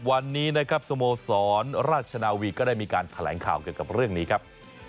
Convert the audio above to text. วันนี้นะครับสโมสรราชนาวีก็ได้มีการแถลงข่าวเกี่ยวกับเรื่องนี้ครับ